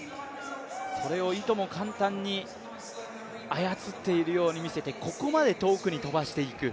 それをいとも簡単に操っているように見せてここまで遠くに飛ばしていく。